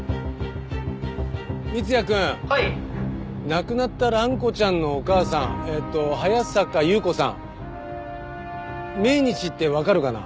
亡くなった蘭子ちゃんのお母さんえっと早坂優子さん命日ってわかるかな？